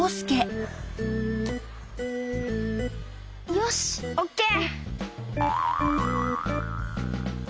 よしオッケー！